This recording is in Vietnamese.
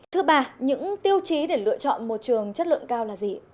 thứ ba những tiêu chí để lựa chọn một trường chất lượng cao là gì